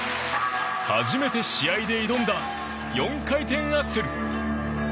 初めて試合で挑んだ４回転アクセル。